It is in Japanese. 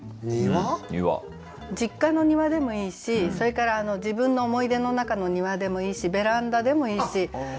実家の庭でもいいしそれから自分の思い出の中の庭でもいいしベランダでもいいし。